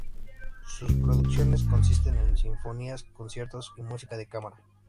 Sus producciones consisten en sinfonías, conciertos y música de cámara.